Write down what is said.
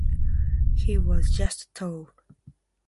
He was just tall.